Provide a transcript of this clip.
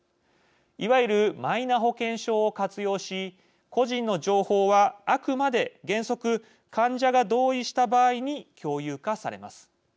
いわゆるマイナ保険証を活用し個人の情報は、あくまで原則患者が同意した場合に共有化されます。